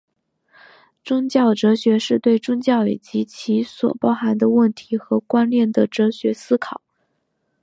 宗教哲学是对宗教以及其所包含的问题和观念的哲学思考。